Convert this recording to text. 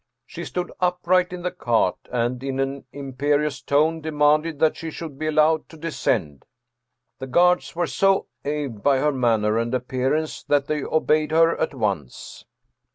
She stood upright in the cart, and in an imperious tone demanded that she should be allowed to German Mystery Stories descend. The guards were so awed by her manner and appearance that they obeyed her at once.